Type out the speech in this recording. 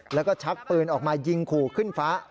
แล้วก็ชักปืนออกมายิงขู่ขึ้นฟ้า